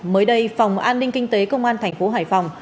mới đây phòng an ninh kinh tế công an thành phố hải phòng